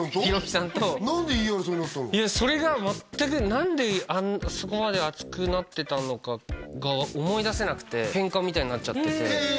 いやそれが全く何でそこまで熱くなってたのかが思い出せなくてケンカみたいになっちゃっててへえ